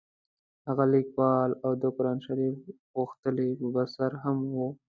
هغه لیکوال او د قران شریف غښتلی مبصر هم وو.